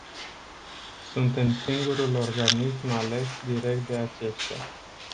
Suntem singurul organism ales direct de aceștia.